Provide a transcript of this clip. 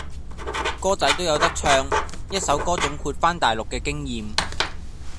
歌仔都有得唱，一首歌總括番大陸嘅經驗